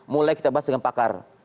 mulai kita bahas dengan pakar